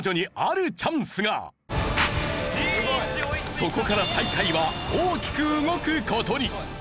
そこから大会は大きく動く事に！